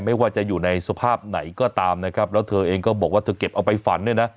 ไม่ว่าจะอยู่ในสภาพไหนก็ตามนะครับแล้วเธอเองก็บอกว่าเธอเก็บเอาไปฝันเนี่ยนะ